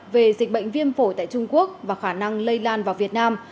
về dịch bệnh viêm phổi tại trung quốc và khả năng lây lan vào việt nam